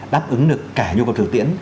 đáp ứng được cả nhu cầu thử tiễn